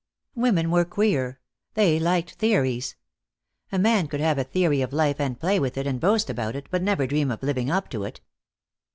Women were queer; they liked theories. A man could have a theory of life and play with it and boast about it, but never dream of living up to it.